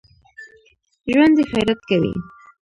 ژوندي خیرات کوي